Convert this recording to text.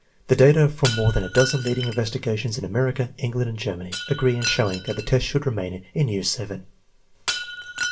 The data from more than a dozen leading investigations in America, England, and Germany agree in showing that the test should remain in year VII.